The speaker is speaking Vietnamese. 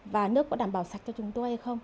và nước có đảm bảo sạch cho chúng tôi hay không